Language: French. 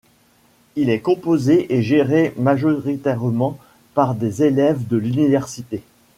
Il est composé et géré majoritairement par des élèves de l'Université.